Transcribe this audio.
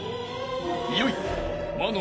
［いよいよ］